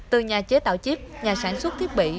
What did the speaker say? từ nhà chế tạo chip nhà sản xuất thiết bị